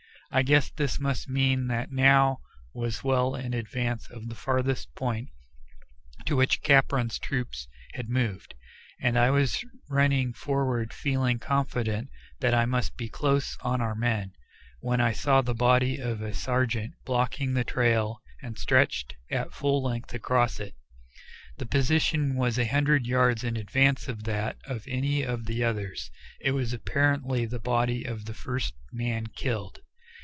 I guessed this must mean that I now was well in advance of the farthest point to which Capron's troop had moved, and I was running forward feeling confident that I must be close on our men, when I saw the body of a sergeant blocking the trail and stretched at full length across it. Its position was a hundred yards in advance of that of any of the others it was apparently the body of the first man killed.